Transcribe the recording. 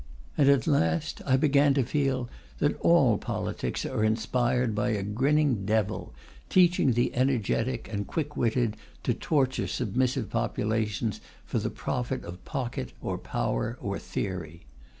And at last I began to feel that all politics are inspired by a grinning devil, teaching the energetic and quickwitted to torture submissive populations for the profit of pocket or power or theory.